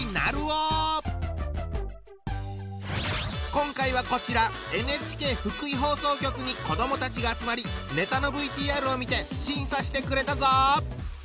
今回はこちらＮＨＫ福井放送局に子どもたちが集まりネタのＶＴＲを見て審査してくれたぞ。